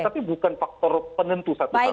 tapi bukan faktor penentu satu satu